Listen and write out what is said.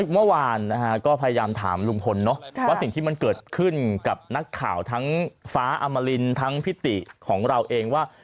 เมื่อวานนะฮะก็พยายามถามลุงพลเนอะว่าสิ่งที่มันเกิดขึ้นกับนักข่าวทั้งฟ้าอมรินทั้งพิติของเราเองว่า